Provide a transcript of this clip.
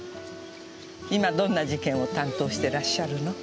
今どんな事件を担当してらっしゃるの？